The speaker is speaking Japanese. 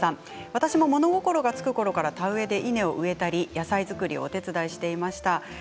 私も物心がつくころから田植えで稲を植えたり野菜作りをお手伝いしていました。